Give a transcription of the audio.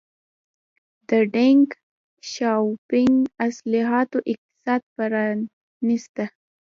د ډینګ شیاوپینګ اصلاحاتو اقتصاد پرانیسته.